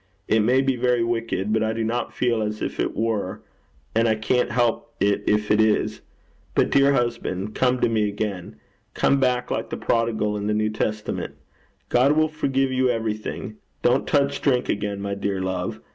It may be very wicked, but I do not feel as if it were, and I can't help it if it is. But, dear husband, come to me again. Come back, like the prodigal in the New Testament. God will forgive you everything. Don't touch drink again, my dear love.